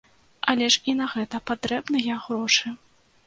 Але ж і на гэта патрэбныя грошы.